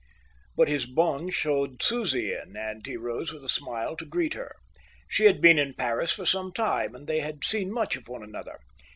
But his bonne showed Susie in, and he rose with a smile to greet her. She had been in Paris for some time, and they had seen much of one another.